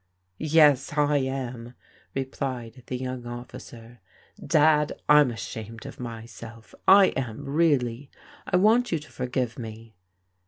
"Yes, I am," replied the young officer. "Dad, I'm ashamed of myself, I am really. I want you to forgive me.